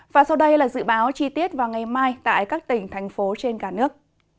và sau đây là dự báo chi tiết vào ngày mai tại các tỉnh thành phố trên cả nước